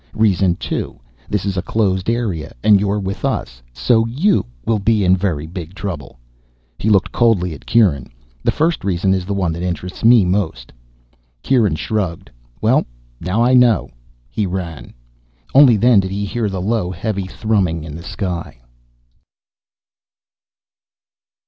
Reason two this is a closed area, and you're with us, so you will be in very big trouble." He looked coldly at Kieran. "The first reason is the one that interests me most." Kieran shrugged. "Well, now I know." He ran. Only then did he hear the low heavy thrumming in the sky.